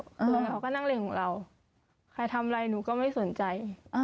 ลงแล้วเขาก็นั่งเล่นของเราใครทำอะไรหนูก็ไม่สนใจ